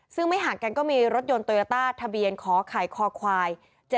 ซึ่งไม่ห่างกันก็มีรถยนต์โตโยต้าทะเบียนขอไข่คอควาย๗๗